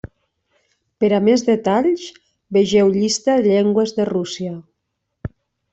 Per a més detalls, vegeu Llista de llengües de Rússia.